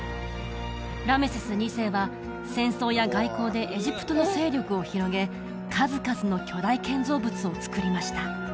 ラメセス２世は戦争や外交でエジプトの勢力を広げ数々の巨大建造物を造りました